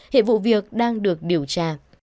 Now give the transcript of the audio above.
hiệp vụ việc đang được điều tra